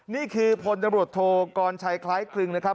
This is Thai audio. นี่คือพลตำรวจโทกรชัยคล้ายคลึงนะครับ